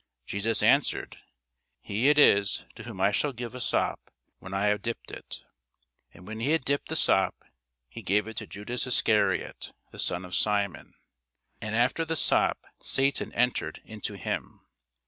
Jesus answered, He it is, to whom I shall give a sop, when I have dipped it. And when he had dipped the sop, he gave it to Judas Iscariot, the son of Simon. And after the sop Satan entered into him.